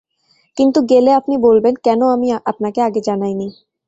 কিন্তু গেলে আপনি বলবেন কেন আমি আপনাকে আগে জানাইনি।